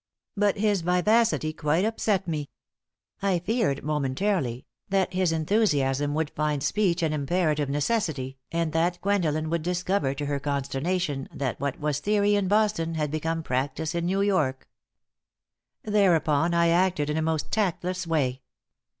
But his vivacity quite upset me. I feared, momentarily, that his enthusiasm would find speech an imperative necessity, and that Gwendolen would discover to her consternation that what was theory in Boston had become practice in New York. Thereupon I acted in a most tactless way.